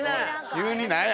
急に何や？